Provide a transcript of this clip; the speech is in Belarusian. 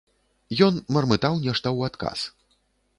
Ён мармытаў нешта ў адказ.